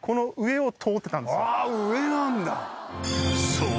［そう。